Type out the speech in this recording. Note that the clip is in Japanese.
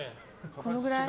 このくらい？